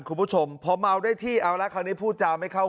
คุณผู้ชมพอเมาได้ที่เอาละคราวนี้พูดจาไม่เข้า